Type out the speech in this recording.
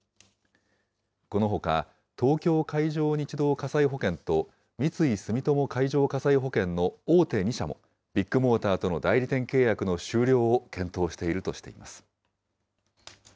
このほか、東京海上日動火災保険と三井住友海上火災保険の大手２社も、ビッグモーターとの代理店契約の終了を検討しているとしています。